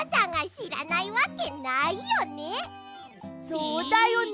そうだよね。